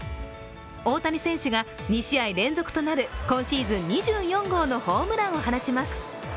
大谷選手が２試合連続となる今シーズン２４号のホームランを放ちます。